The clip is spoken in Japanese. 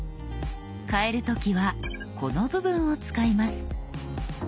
変える時はこの部分を使います。